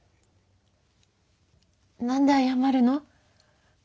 何で謝るの？